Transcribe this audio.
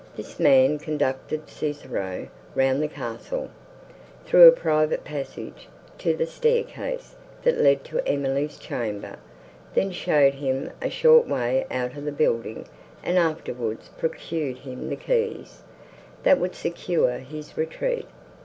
This man conducted Cesario round the castle, through a private passage, to the staircase, that led to Emily's chamber; then showed him a short way out of the building, and afterwards procured him the keys, that would secure his retreat.